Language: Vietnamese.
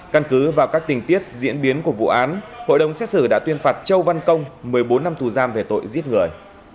căn cứ vào các tình tiết diễn biến của vụ án hội đồng xét xử đã tuyên phạt châu văn công một mươi bốn năm tù giam về tội giết người